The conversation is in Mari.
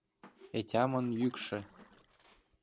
Ӓтямын юкшы...